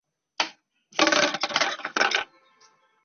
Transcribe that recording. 因此专辑推出跟演唱会后亦受到高度评价。